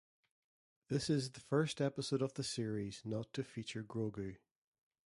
This is the first episode of the series not to feature Grogu.